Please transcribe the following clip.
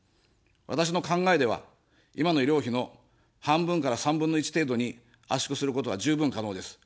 私の考えでは、今の医療費の半分から３分の１程度に圧縮することは十分可能です。